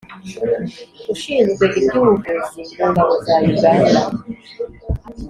ushinzwe iby'ubuvuzi mu ngabo za uganda